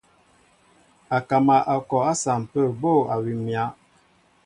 Akama a kɔ a sampə bô awim myǎ.